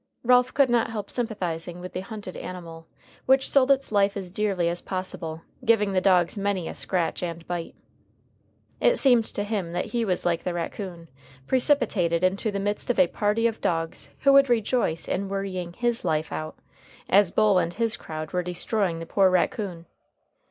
Ralph could not help sympathizing with the hunted animal, which sold its life as dearly as possible, giving the dogs many a scratch and bite. It seemed to him that he was like the raccoon, precipitated into the midst of a party of dogs who would rejoice in worrying his life out, as Bull and his crowd were destroying the poor raccoon.